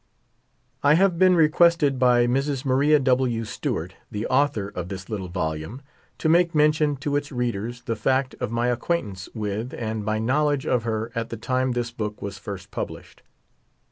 I have been requested by Mrs. Maria W. Stewart, the author of this little volume, to make mention to its readers the fact of my acquaintance with and my knowledge of her at the time this book was first published.